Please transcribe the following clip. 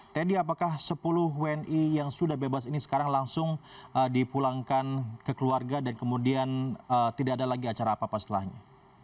teddy apakah sepuluh wni yang sudah bebas ini sekarang langsung dipulangkan ke keluarga dan kemudian tidak ada lagi acara apa apa setelahnya